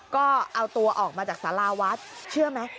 ก็เอาตัวออกมาจากสาราวัดเชื่อไหม